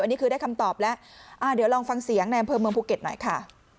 อันนี้คือได้คำตอบแล้วเดี๋ยวลองฟังเสียงในอำเภอเมืองภูเก็ตหน่อยค่ะ